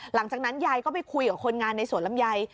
หลังจากนั้นยายก็ไปคุยกับคนงานในสวนลำไย